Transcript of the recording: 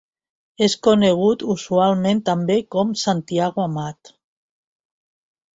És conegut usualment també com Santiago Amat.